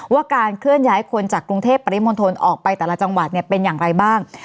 ว่าการเคลื่อนย้ายคนจากกรุงเทพปริมณฑลออกไปแต่ละจังหวัดเนี่ยเป็นอย่างไรบ้าง